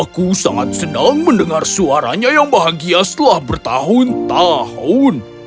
aku sangat senang mendengar suaranya yang bahagia setelah bertahun tahun